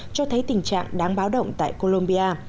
cho thấy tình trạng đáng báo động tại colombia